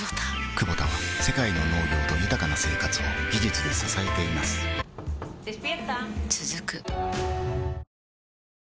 クボタは世界の農業と豊かな生活を技術で支えています起きて。